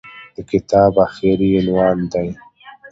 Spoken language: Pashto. د کتاب اخري عنوان دى.